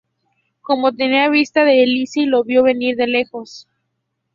Como tenía vista de lince, lo vio venir de lejos